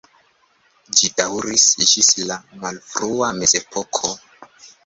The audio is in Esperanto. Ĝi daŭris ĝis la malfrua mezepoko.